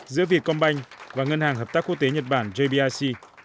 giữa việt combine và ngân hàng hợp tác quốc tế nhật bản jbic